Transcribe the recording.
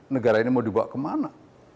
negara ini mau dibawa kemana